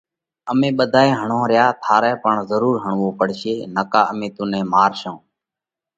امي ٻڌائي هڻونه ريا ٿارئہ پڻ ضرُور هڻوو پڙشي نڪا امي تُون نئہ مارشون۔